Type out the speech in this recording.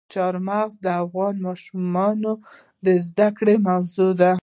چار مغز د افغان ماشومانو د زده کړې موضوع ده.